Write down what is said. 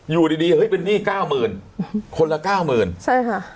อยู่ดีดีเป็นหนี้๙๐๐๐๐คนละ๙๐๐๐๐ใช่ค่ะ